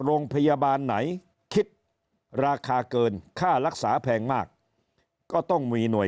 โรงพยาบาลไหนคิดราคาเกินค่ารักษาแพงมากก็ต้องมีหน่วย